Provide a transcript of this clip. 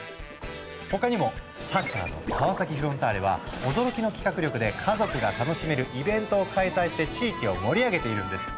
他にもサッカーの川崎フロンターレは驚きの企画力で家族が楽しめるイベントを開催して地域を盛り上げているんです。